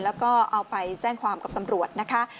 แล้วก็เอาไปแจ้งความกับตำรวจนะคะ